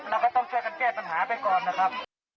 เราก็ต้องช่วยกันแก้ปัญหาไปก่อนนะครับ